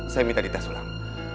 saya minta di tes ulang